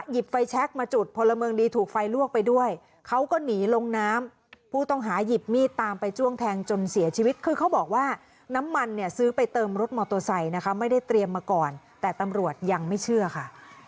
ไฟแชคมาจุดพลเมืองดีถูกไฟลวกไปด้วยเขาก็หนีลงน้ำผู้ต้องหาหยิบมีดตามไปจ้วงแทงจนเสียชีวิตคือเขาบอกว่าน้ำมันเนี่ยซื้อไปเติมรถมอเตอร์ไซค์นะคะไม่ได้เตรียมมาก่อนแต่ตำรวจยังไม่เชื่อค่ะ